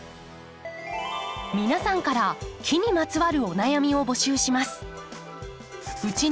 皆さんから木にまつわるお悩みを募集します。